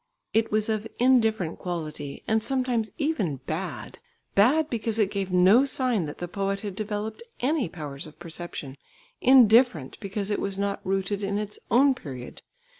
It was of indifferent quality, and sometimes even bad, bad because it gave no sign that the poet had developed any powers of perception, indifferent because it was not rooted in its own period.